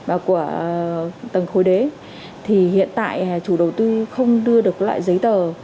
ở tầng khối đế thì hiện tại chủ đầu tư không đưa được loại giấy tờ